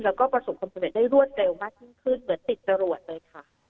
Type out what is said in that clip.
แล้วก็ประสงค์ความผลิตได้รวดเร็วมากยิ่งขึ้นเหมือนติดสรรวจเลยค่ะ